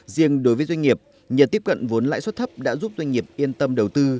riêng đối với doanh nghiệp nhờ tiếp cận vốn lãi suất thấp đã giúp doanh nghiệp yên tâm đầu tư